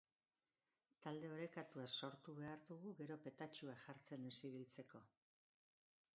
Talde orekatua sortu behar dugu, gero petatxuak jartzen ez ibiltzeko.